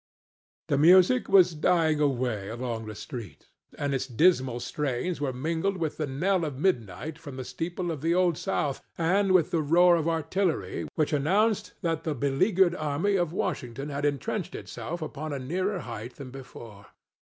The music was dying away along the street, and its dismal strains were mingled with the knell of midnight from the steeple of the Old South and with the roar of artillery which announced that the beleaguered army of Washington had intrenched itself upon a nearer height than before.